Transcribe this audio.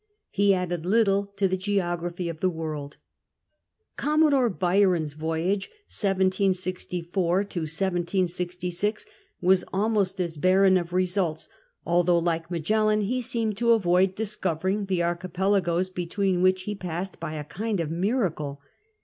He added little to the geography of the world. Commodore Byron's voyage (1764 1766) was almost as barren of results, although like Magellan he seemp.d to avoid discovering the archipelagoes between which he passed by a kind of miracle.